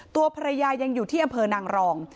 ตัวภรรยายังอยู่ที่อำเภอนางรอง